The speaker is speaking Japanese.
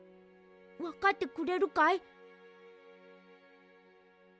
わかってくれるかい？